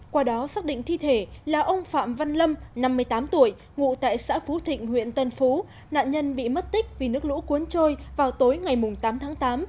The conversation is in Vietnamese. qua đó xác định thi thể là ông phạm văn lâm năm mươi tám tuổi ngụ tại xã phú thịnh huyện tân phú nạn nhân bị mất tích vì nước lũ cuốn trôi vào tối ngày tám tháng tám